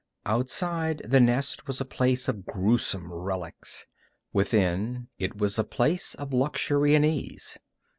Outside, the nest was a place of gruesome relics. Within, it was a place of luxury and ease.